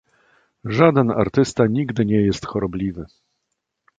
Żaden artysta nigdy nie jest chorobliwy.